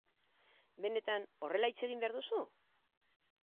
Benetan horrela hitz egin behar duzu?